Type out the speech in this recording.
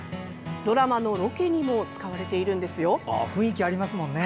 ドラマのロケにも使われているんですよ。